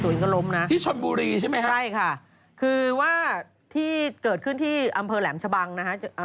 ตัวอินก็ล้มนะไม่ใช่ค่ะคือว่าที่เกิดขึ้นที่อำเภอแหลมชะบังนะฮะ